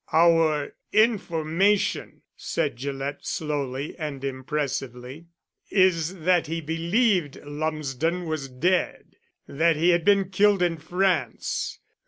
"Our information," said Gillett slowly and impressively, "is that he believed Lumsden was dead that he had been killed in France.